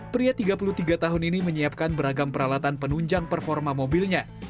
pria tiga puluh tiga tahun ini menyiapkan beragam peralatan penunjang performa mobilnya